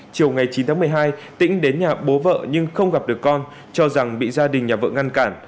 chiều ngày chín tháng một mươi hai tĩnh đến nhà bố vợ nhưng không gặp được con cho rằng bị gia đình nhà vợ ngăn cản